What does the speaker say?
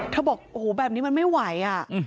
ถ้าบอกโหแบบนี้มันไม่ไหว